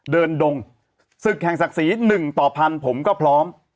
ดงศึกแห่งศักดิ์ศรี๑ต่อพันผมก็พร้อม